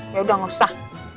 yaudah gak usah